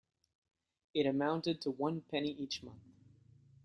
It amounted to one penny each month.